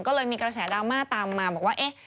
ก็เลยมีกระแสดรมมาตามมาบอกว่า